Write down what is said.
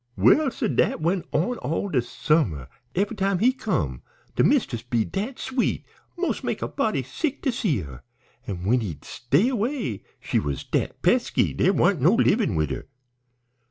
Well, suh, dat went on all de summer. Eve'y time he come de mist'ess 'd be dat sweet mos' make a body sick to see her, an' when he'd stay away she was dat pesky dere warn't no livin' wid her.